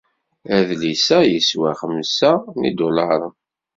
Adlis-a yeswa xemsa n yidulaṛen.